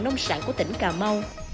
nông sản của tỉnh cà mau